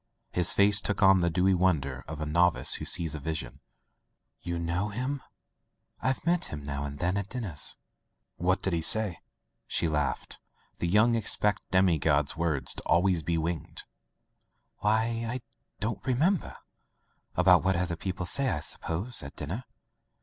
His face took on the dewy wonder of a novice who sees a vision. "You know— him?" "Tve met him, now and then, at dinners." "What did he say?" She laughed. The young expect their demi god's words to be always winged. "Why — I don't remember. About what other people say, I suppose, at dinner.